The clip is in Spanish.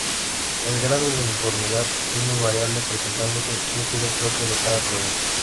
El grado de uniformidad es muy variable, presentándose un giro propio de cada provincia.